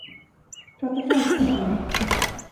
Prata franska med henne.